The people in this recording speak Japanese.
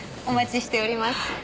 お待ちしております。